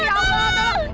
ya allah tolong